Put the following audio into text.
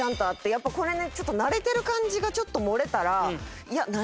やっぱこれねちょっと慣れてる感じがちょっと漏れたらいや何？